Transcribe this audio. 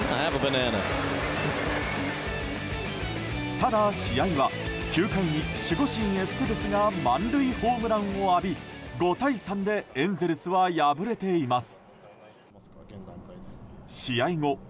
ただ、試合は９回に守護神エステベスが満塁ホームランを浴び５対３でエンゼルスは敗れています。